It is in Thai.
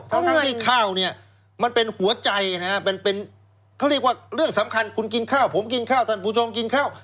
ทั้งที่ข้าวเนี่ยมันเป็นหัวใจนะฮะเป็นเขาเรียกว่าเรื่องสำคัญคุณกินข้าวผมกินข้าวท่านผู้ชมกินข้าว